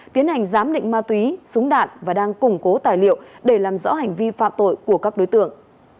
tiến hành giám định ma túy súng đạn và đang củng cố tài liệu để làm rõ hành vi phạm tội của các đối tượng